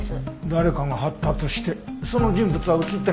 誰かが貼ったとしてその人物は映ってなかったの？